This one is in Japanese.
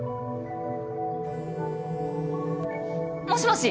もしもし？